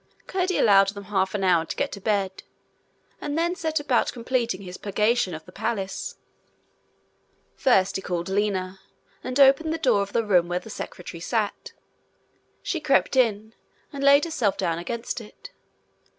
Curdie allowed them half an hour to get to bed, and then set about completing his purgation of the palace. First he called Lina, and opened the door of the room where the secretary sat. She crept in, and laid herself down against it.